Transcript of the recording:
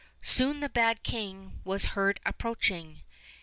Soon the bad king was heard approaching.